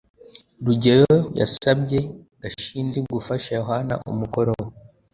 rugeyo yasabye gashinzi gufasha yohana umukoro we